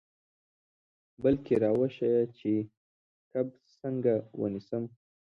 بلکې را وښیه چې کب څنګه ونیسم.